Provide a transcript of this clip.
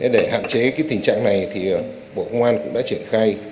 để hạn chế tình trạng này thì bộ công an cũng đã triển khai